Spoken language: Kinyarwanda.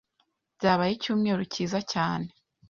Byabaye icyumweru cyiza cyane.